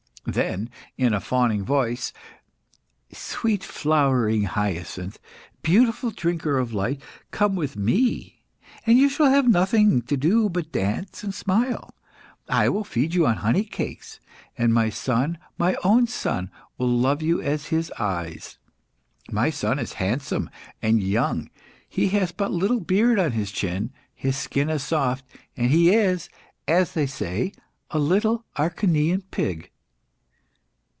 Then, in a fawning voice "Sweet flowering hyacinth, beautiful drinker of light, come with me, and you shall have nothing to do but dance and smile. I will feed you on honey cakes, and my son my own son will love you as his eyes. My son is handsome and young; he has but little beard on his chin; his skin is soft, and he is, as they say, a little Acharnian pig."